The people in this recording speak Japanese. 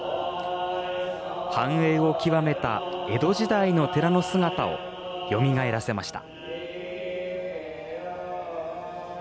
繁栄を極めた江戸時代の寺の姿をよみがえらせました。